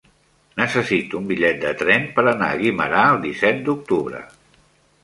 Necessito un bitllet de tren per anar a Guimerà el disset d'octubre.